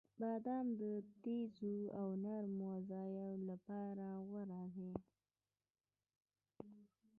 • بادام د تیزو او نرم غذایانو لپاره غوره دی.